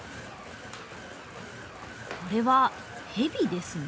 これはヘビですね。